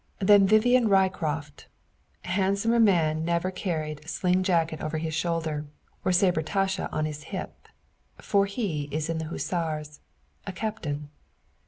Than Vivian Ryecroft handsomer man never carried sling jacket over his shoulder, or sabretasche on his hip. For he is in the Hussars a captain.